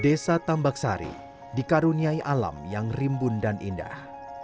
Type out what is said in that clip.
desa tambaksari dikaruniai alam yang rimbun dan indah